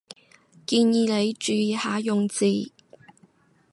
建議你注意下用字